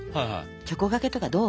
チョコがけとかどう？